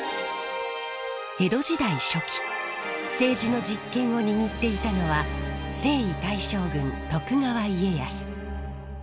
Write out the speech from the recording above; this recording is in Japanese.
江戸時代初期政治の実権を握っていたのは征夷大将軍徳川家康。